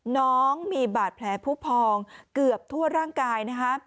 น้องมีบาดแผลผู้พองเกือบทั่วร่างกายนะคะ